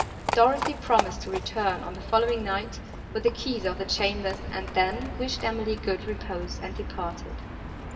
Dorothée promised to return, on the following night, with the keys of the chambers, and then wished Emily good repose, and departed.